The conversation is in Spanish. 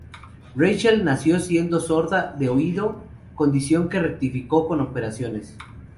Rachael nació siendo sorda de un oído, condición que rectificó con operaciones.